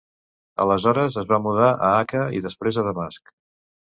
Aleshores, es va mudar a Akka i després a Damasc.